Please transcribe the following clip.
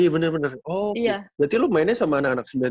berarti lu mainnya sama anak anak